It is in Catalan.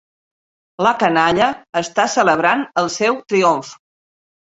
La canalla està celebrant el seu triomf.